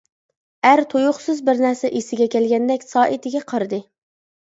ئەر تۇيۇقسىز بىر نەرسە ئېسىگە كەلگەندەك سائىتىگە قارىدى.